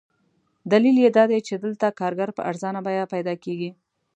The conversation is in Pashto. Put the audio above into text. دلیل یې دادی چې دلته کارګر په ارزانه بیه پیدا کېږي.